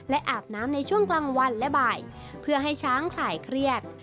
และอาบน้ำในช่วงกลางวันและบ่ายเพื่อให้ช้างคลายเครียด